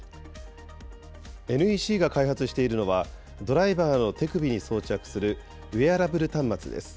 ＮＥＣが開発しているのは、ドライバーの手首に装着するウエアラブル端末です。